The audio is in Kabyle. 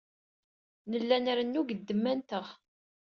Nella nrennu-d seg ddemma-nteɣ.